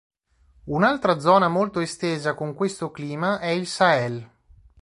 Un'altra zona molto estesa con questo clima è il Sahel.